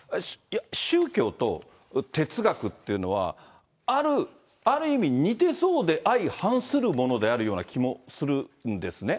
宗教と哲学っていうのは、ある意味、似てそうで相反するものであるような気もするんですね。